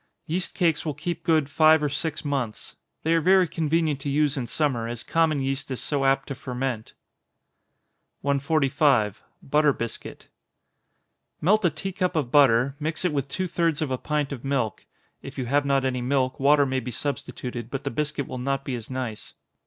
Yeast cakes will keep good five or six months. They are very convenient to use in summer, as common yeast is so apt to ferment. 145. Butter Biscuit. Melt a tea cup of butter mix it with two thirds of a pint of milk, (if you have not any milk, water may be substituted, but the biscuit will not be as nice.)